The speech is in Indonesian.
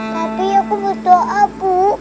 tapi aku berdoa ibu